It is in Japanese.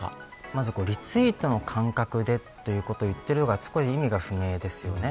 まず、リツイートの感覚でということを言っているのが意味が不明ですよね。